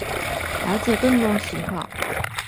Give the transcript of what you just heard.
了解更多情况